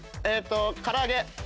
からあげ。